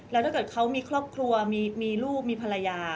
แล้วถ้าเกิดเขามีครอบครัวมีลูกมีภรรยา